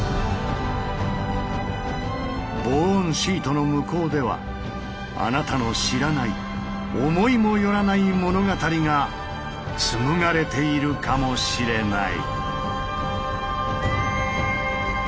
防音シートの向こうではあなたの知らない思いもよらない物語が紡がれているかもしれない。